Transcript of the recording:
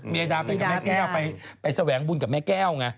ดาไปกับแม่แก้วไปแสวงบุญกับแม่แก้วไง